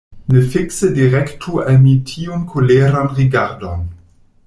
Ne fikse direktu al mi tiun koleran rigardon.